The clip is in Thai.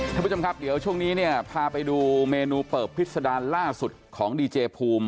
ท่านผู้ชมครับเดี๋ยวช่วงนี้เนี่ยพาไปดูเมนูเปิบพิษดารล่าสุดของดีเจภูมิ